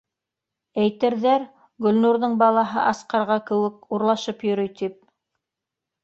Әйтерҙәр, Гөлнурҙың балаһы ас ҡарға кеүек урлашып йөрөй, тип.